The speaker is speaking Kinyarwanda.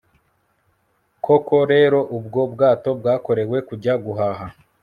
koko rero, ubwo bwato bwakorewe kujya guhaha